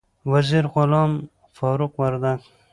وزیر غلام فاروق وردک